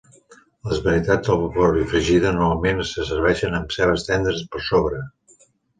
Les varietats al vapor i fregida normalment se serveixen amb cebes tendres per sobre.